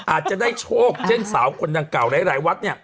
อาจจะได้โชคเช่นสาวคนดังเก่าหลายวัดเนี่ย